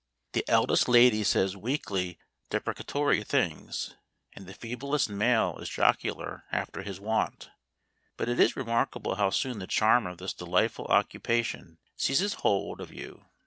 The eldest lady says weakly deprecatory things, and the feeblest male is jocular after his wont. But it is remarkable how soon the charm of this delightful occupation seizes hold of you.